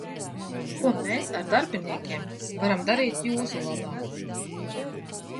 Ko mēs ar darbiniekiem varam darīt jūsu labā?